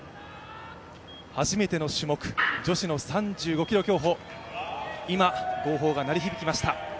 初めての種目、女子の３５ｋｍ競歩、今、号砲が鳴り響きました。